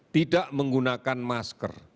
tidak menggunakan masker